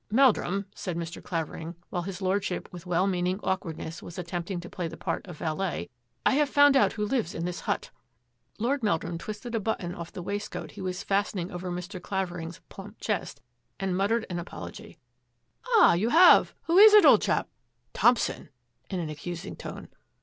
" Meldrum," said Mr. Clavering, while his Lord ship with well meaning awkwardness was attempt ing to play the part of valet, " I have found out who lives in this hut." Lord Meldrum twisted a button off the waistcoat he was fastening over Mr. Clavering's plump chest, and muttered an apology. " Ah! you have. Who is it, old chap? "" Thompson," in an accusing tone.